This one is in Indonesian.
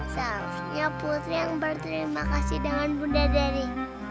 seharusnya putri yang berterima kasih dengan bunda dari